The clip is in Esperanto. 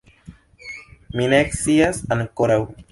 Mi ne scias ankoraŭ.